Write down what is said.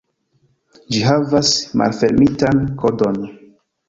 Ĝi havas malfermitan kodon.